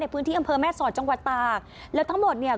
พื้นที่อำเภอแม่สอดจังหวัดตากแล้วทั้งหมดเนี่ย